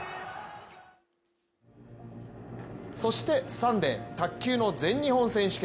そしてサンデー卓球の全日本選手権。